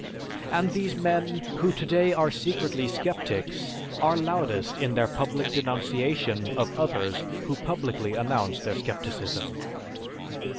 And these men who today are secretly sceptics, are loudest in their public denunciation of others who publicly announce their scepticism.